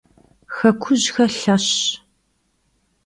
Xekujıhe lheşş.